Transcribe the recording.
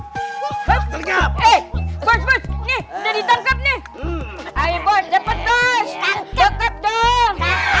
hai hai bos bos ini jadi tangkap nih air buat cepetan kekep dong